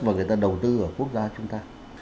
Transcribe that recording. và người ta đầu tư ở quốc gia chúng ta